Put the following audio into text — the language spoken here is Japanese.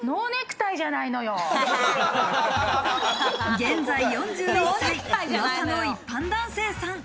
現在４１歳、噂の一般男性さん。